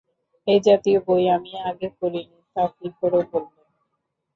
এ জাতীয় বই আমি আগে পড়িনি তা কি করে বললে?